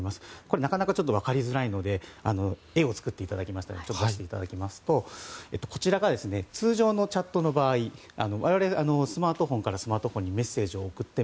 なかなか分かりづらいので絵を作っていただきましたので出していただきますとこちらが通常のチャットの場合我々、スマートフォンからスマートフォンにメッセージを送っても